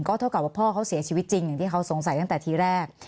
เท่ากับว่าพ่อเขาเสียชีวิตจริงอย่างที่เขาสงสัยตั้งแต่ทีแรก